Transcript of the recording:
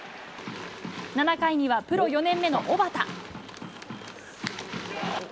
７回には、プロ４年目の小幡。